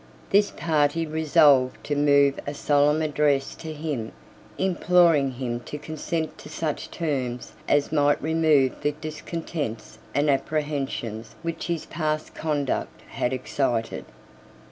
This party resolved to move a solemn address to him, imploring him to consent to such terms as might remove the discontents and apprehensions which his past conduct had excited.